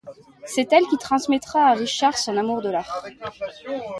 C’est elle qui transmettra à Richard son amour de l’art.